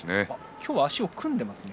今日は足を組んでいますね。